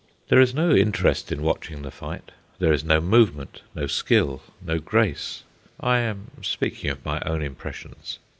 There is no interest in watching the fight: there is no movement, no skill, no grace (I am speaking of my own impressions.)